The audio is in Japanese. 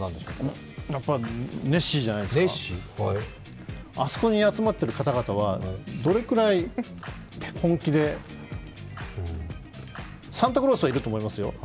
ネッシーじゃないですか、あそこに集まっている方々はどれくらい本気でサンタクロースはいると思いますよ。